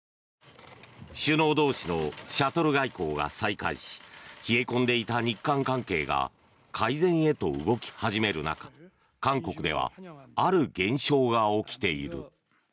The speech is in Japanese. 首脳同士のシャトル外交が再開し冷え込んでいた日韓関係が改善へと動き始める中韓国ではある現象が起きている。